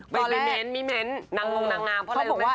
ตอนแรกมีเม้นท์นางงงนางงามเพราะอะไรหรือเปล่าคะ